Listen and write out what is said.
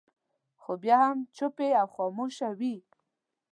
خو بیا هم چوپې او خاموشه وي.